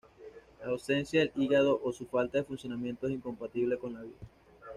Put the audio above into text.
La ausencia de hígado o su falta de funcionamiento es incompatible con la vida.